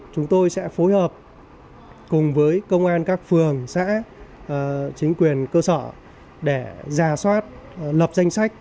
tự tập cùng với công an các phường xã chính quyền cơ sở để giả soát lập danh sách